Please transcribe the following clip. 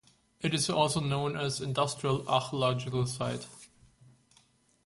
It is also known as Industrial Archaeological Site.